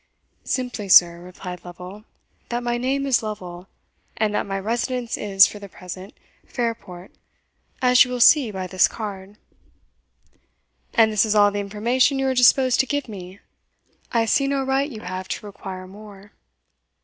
"Simply, sir," replied Lovel, "that my name is Lovel, and that my residence is, for the present, Fairport, as you will see by this card." "And is this all the information you are disposed to give me?" "I see no right you have to require more."